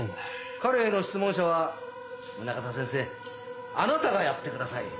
彼への質問者は宗方先生あなたがやってください。